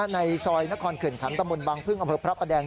ในซอยนครขึ่นถังตะมนต์บังพึ่งอำเภอพระประแดง